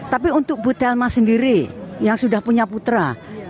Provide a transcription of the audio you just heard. tapi untuk bu telma sendiri yang sudah punya putra